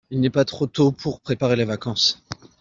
il n'est pas trop tôt pour préparer les vacances.